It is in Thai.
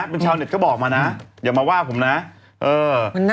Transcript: แต่เป็นชาวเน็ตเขาบอกมาน่ะอย่ามาว่าผมน่ะเออมันน่ากลัว